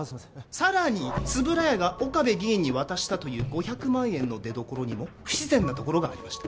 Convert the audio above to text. さらに円谷が岡部議員に渡したという５００万円の出どころにも不自然なところがありました